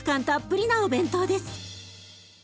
たっぷりなお弁当です！